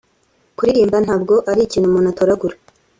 “Kuririmba ntabwo ari ikintu umuntu atoragura